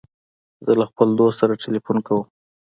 زه له خپل دوست سره تلیفون کوم.